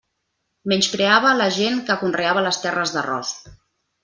Menyspreava la gent que conreava les terres d'arròs.